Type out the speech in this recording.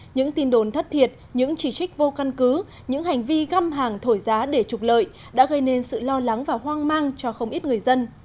những tin đồn thất thiệt những chỉ trích vô căn cứ những hành vi găm hàng thổi giá để trục lợi đã gây nên sự lo lắng và hoang mang cho không ít người dân